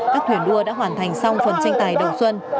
các thuyền đua đã hoàn thành xong phần tranh tài đầu xuân